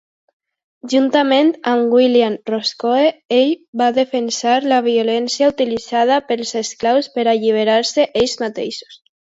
Juntament amb William Roscoe, ell va defensar la violència utilitzada pels esclaus per alliberar-se ells mateixos.